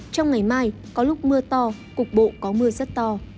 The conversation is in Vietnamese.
trong ngày mai có lúc mưa to cục bộ có mưa rất to